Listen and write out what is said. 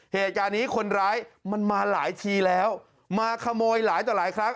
เหตุการณ์นี้คนร้ายมันมาหลายทีแล้วมาขโมยหลายต่อหลายครั้ง